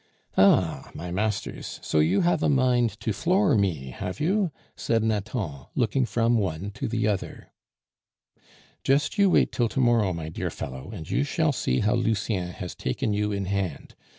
"Ah! my masters, so you have a mind to floor me, have you?" said Nathan, looking from one to the other. "Just you wait till to morrow, my dear fellow, and you shall see how Lucien has taken you in hand.